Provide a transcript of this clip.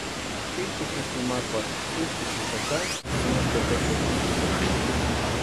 Ji juchiti nimakwani útsïkuxaka tsimani tepekwaechani.